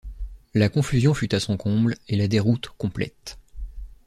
La confusion fut à son comble et la déroute complète.